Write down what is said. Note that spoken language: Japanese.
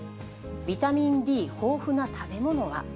ビタミンＤ豊富な食べ物は。